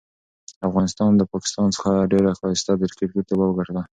افغانستان ده پاکستان څخه ډيره ښايسته د کرکټ لوبه وګټله.